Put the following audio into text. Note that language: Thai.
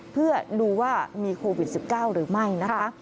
เพื่อดูว่ามีโควิด๑๙หรือไม่นะคะ